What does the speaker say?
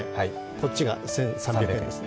こっちが１３００円です。